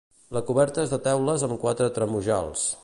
La coberta és de teules amb quatre tremujals.